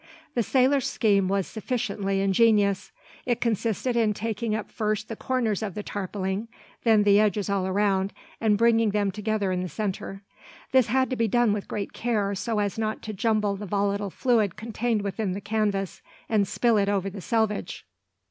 The sailor's scheme was sufficiently ingenious. It consisted in taking up first the corners of the tarpauling, then the edges all around, and bringing them together in the centre. This had to be done with great care, so as not to jumble the volatile fluid contained within the canvas, and spill it over the selvage.